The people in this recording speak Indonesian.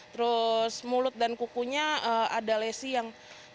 terus mulut dan kukunya ada lesi yang